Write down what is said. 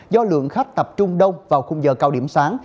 do lượng khách tập trung đông vào khung giờ cao điểm sáng